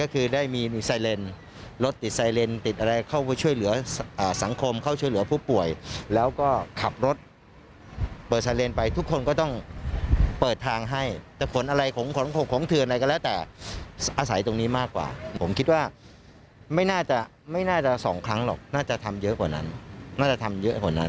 ทำเยอะกว่านั้นน่าจะทำเยอะกว่านั้น